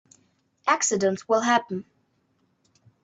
Accidents will happen.